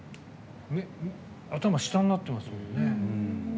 頭、下になってますよね。